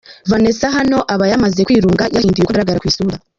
Vanessa hano aba yamaze kwirunga yahinduye uko agaragara ku isura.